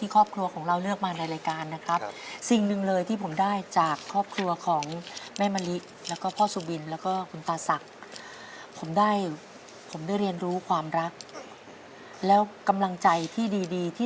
เป๊กนักร้องนำวงศิลป์